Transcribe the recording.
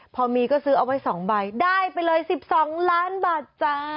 พอมีก็ซื้อเอาไว้๒ใบได้ไปเลย๑๒ล้านบาทจ้า